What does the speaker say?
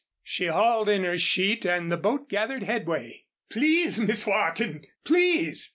She hauled in her sheet and the boat gathered headway. "Please, Miss Wharton, please!"